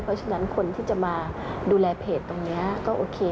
เพราะฉะนั้นคนที่จะมาดูแลเพจตรงนี้ก็โอเค